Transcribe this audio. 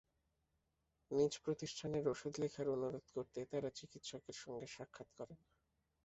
নিজ প্রতিষ্ঠানের ওষুধ লেখার অনুরোধ করতে তাঁরা চিকিৎসকের সঙ্গে সাক্ষাৎ করেন।